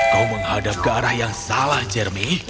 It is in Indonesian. kau menghadap ke arah yang salah jernih